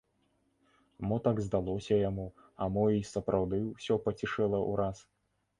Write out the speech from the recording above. Мо так здалося яму, а мо й сапраўды ўсё пацішэла ўраз?